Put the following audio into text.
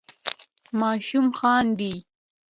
ماشوم خاندي.